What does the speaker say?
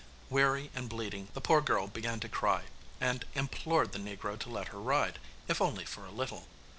Weary and bleeding the poor girl began to cry, and implored the negro to let her ride, if only for a little.